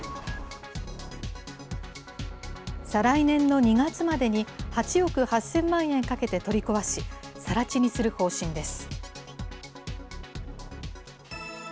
再来年の２月までに、８億８０００万円かけて取り壊し、さら地にする方針です。